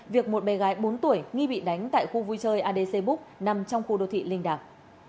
việc một bé gái bốn tuổi nghi bị đánh tại khu vui chơi adc book nằm trong khu đô thị linh đàm